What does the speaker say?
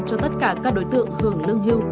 cho tất cả các đối tượng hưởng lương hưu